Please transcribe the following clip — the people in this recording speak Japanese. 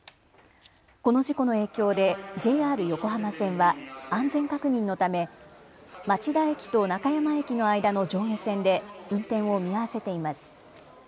この事故の影響でＪＲ横浜線は安全確認のため町田駅と中山駅の間の上下線で運転を見合わせています。